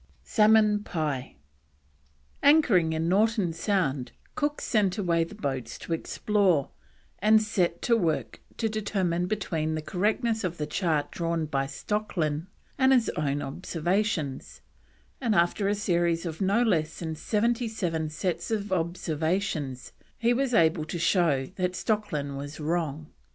SALMON PIE. Anchoring in Norton Sound, Cook sent away the boats to explore, and set to work to determine between the correctness of the chart drawn by Stocklin and his own observations, and after a series of no less than seventy seven sets of observations he was able to show that Stocklin was wrong.